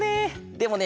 でもね